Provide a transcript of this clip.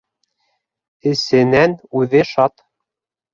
Эсенән үҙе шат.